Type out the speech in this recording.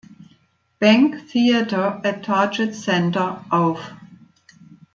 Bank Theater at Target Center" auf.